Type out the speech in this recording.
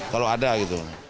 kalau ada gitu